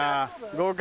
合格。